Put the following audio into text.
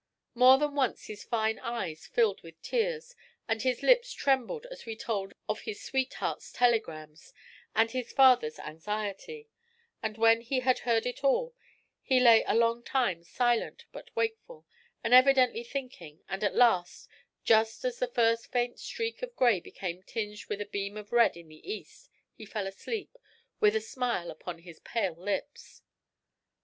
More than once his fine eyes filled with tears and his lips trembled as we told of his sweetheart's telegrams and his father's anxiety; and when he had heard it all, he lay a long time silent but wakeful, and evidently thinking, and at last, just as the first faint streak of gray became tinged with a beam of red in the east, he fell asleep, with a smile upon his pale lips.